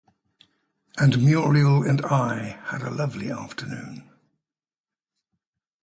And Muriel and I had a lovely afternoon.